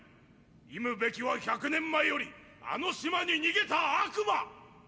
忌むべきは１００年前よりあの島に逃げた悪魔！！